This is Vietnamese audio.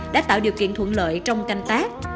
đã tạo điều kiện thuận lợi trong canh tác